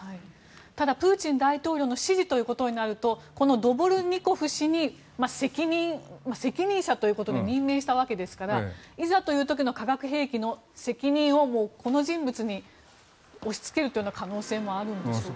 ただ、プーチン大統領の指示ということになるとこのドボルニコフ氏に責任者ということで任命したわけですからいざという時の化学兵器の責任をもうこの人物に押しつけるという可能性もあるんでしょうか。